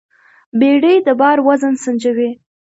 بیړۍ د بار وزن سنجوي.